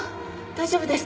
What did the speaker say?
大丈夫ですか？